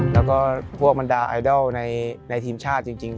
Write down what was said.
แล้วก็พวกบรรดาไอดอลในทีมชาติจริง